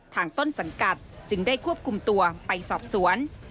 ต้นสังกัดจึงได้ควบคุมตัวไปสอบสวน